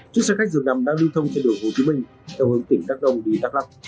chức xe khách dường nằm đang lưu thông trên đường hồ chí minh đường hướng tỉnh đắk đông đi đắk lắk